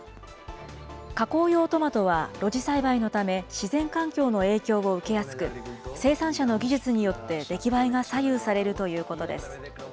加工用トマトは露地栽培のため、自然環境の影響を受けやすく、生産者の技術によって出来栄えが左右されるということです。